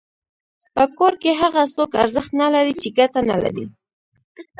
په کور کي هغه څوک ارزښت نلري چي ګټه نلري.